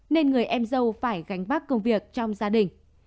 nên người em dâu phải gánh vác công việc trong gia đình